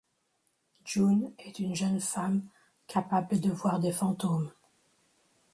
June est une jeune femme capable de voir des fantômes.